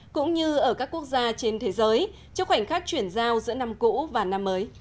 cũng như ở các quốc gia trên thế giới trước khoảnh khắc chuyển giao giữa năm cũ và năm mới